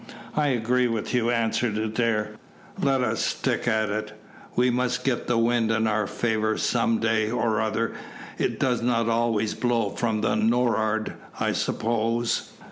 "I agree with you," answered Adair. "Let us stick at it. We must get the wind in our favour some day or other It does not always blow from the nor'ard, I suppose."